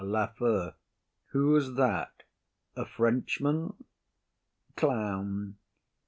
LAFEW. Who's that? a Frenchman? CLOWN.